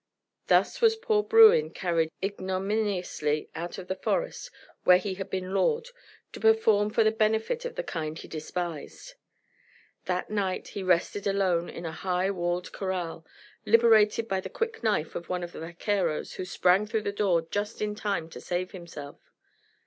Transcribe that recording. Thus was poor Bruin carried ignominiously out of the forest where he had been lord, to perform for the benefit of the kind he despised. That night he rested alone in a high walled corral, liberated by the quick knife of one of the vaqueros, who sprang through the door just in time to save himself.